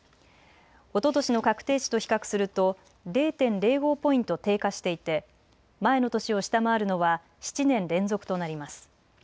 おととしの確定値と比較すると０．０５ポイント低下していて前の年を下回るのは７年連続となります。